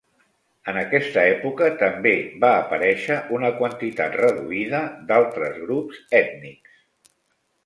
En aquesta època també va aparèixer una quantitat reduïda d'altres grups ètnics.